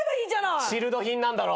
チルド品なんだろ？